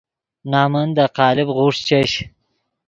نَمن دے قالب غوݰ چش